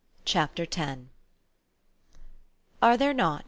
189 CHAPTER X. "Are there not